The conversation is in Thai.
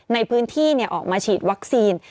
ในพื้นที่ออกมาฉีดวัคซีน